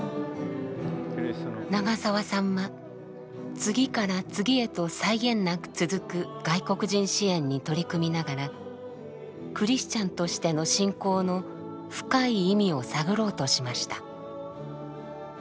長澤さんは次から次へと際限なく続く外国人支援に取り組みながらクリスチャンとしての信仰の深い意味を探ろうとしました。